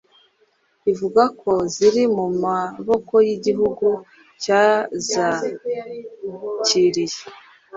ivuga ko "ziri mu maboko y'igihugu cyazakiriye